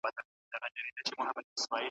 د ښوونځي اصول باید د ټولو لخوا مراعت شي.